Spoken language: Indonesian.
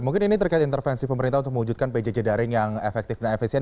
mungkin ini terkait intervensi pemerintah untuk mewujudkan pjj daring yang efektif dan efisien